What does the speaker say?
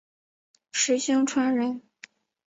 石星川人。